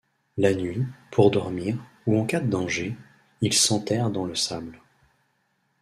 La nuit, pour dormir, ou en cas de danger, ils s’enterrent dans le sable.